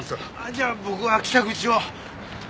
じゃあ僕は北口を。